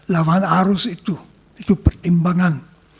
lawan arus itu itu pertimbangan